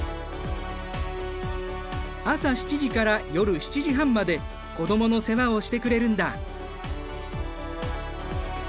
朝７時から夜７時半まで子どもの世話をしてくれるんだ。